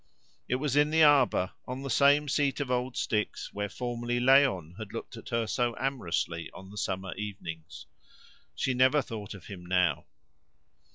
It was in the arbour, on the same seat of old sticks where formerly Léon had looked at her so amorously on the summer evenings. She never thought of him now.